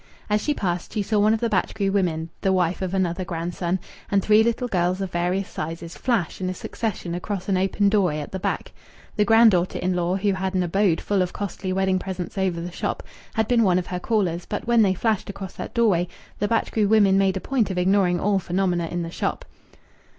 As she passed she saw one of the Batchgrew women (the wife of another grandson) and three little girls of various sizes flash in succession across an open doorway at the back. The granddaughter in law, who had an abode full of costly wedding presents over the shop, had been one of her callers, but when they flashed across that doorway the Batchgrew women made a point of ignoring all phenomena in the shop.